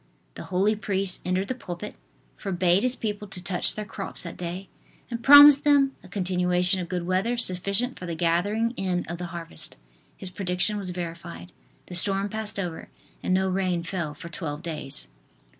The holy priest entered the pulpit, forbade his people to touch their crops that day, and promised them a continuation of good weather sufficient for the gathering in of the harvest. His prediction was verified; the storm passed over and no rain fell for twelve days.